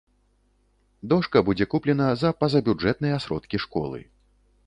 Дошка будзе куплена за пазабюджэтныя сродкі школы.